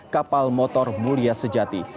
kapal motor mulia sejati